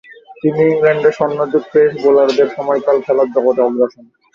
তিনি ইংল্যান্ডের স্বর্ণযুগের পেস বোলারদের সময়কালে খেলার জগতে আসেন।